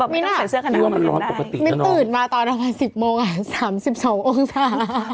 มีตื้นมาตอน๑๐โมง๓๒องศา